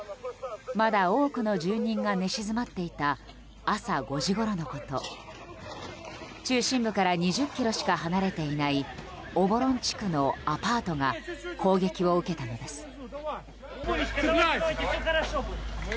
まだ多くの住人が寝静まっていた朝５時ごろのこと中心部から２０ｋｍしか離れていないオボロン地区のアパートが攻撃を受けたのです。